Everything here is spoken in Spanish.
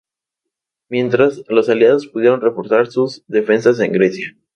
Mientras, los Aliados pudieron reforzar sus defensas en Grecia.